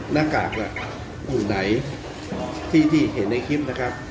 หน้ากากอยู่ไหนที่เห็นในคลิปนะครับ